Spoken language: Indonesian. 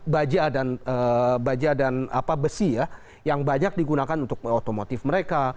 baja dan besi ya yang banyak digunakan untuk otomotif mereka